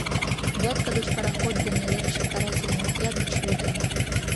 Вятка гыч пароход дене лекше карательный отряд деч лӱдын.